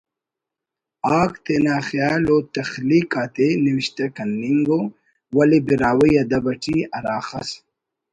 آک تینا خیال و تخلیق آتے نوشتہ کننگ ءُ ولے براہوئی ادب اٹی ہرا خس